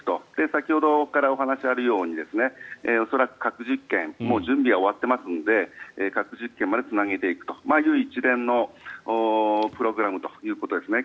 先ほどからお話があるように恐らく核実験も準備は終わっていますので核実験までつなげていくというそういう一連のプログラムということですね。